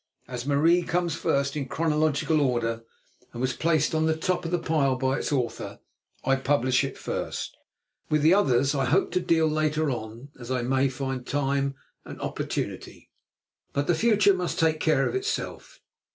As "Marie" comes first in chronological order, and was placed on the top of the pile by its author, I publish it first. With the others I hope to deal later on, as I may find time and opportunity. But the future must take care of itself.